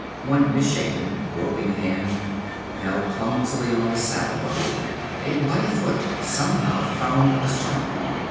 One misshapen, groping hand fell clumsily on the saddle bow, a bloody foot somehow found the stirrup.